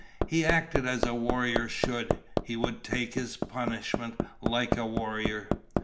He had acted as a warrior should; he would take his punishment like a warrior.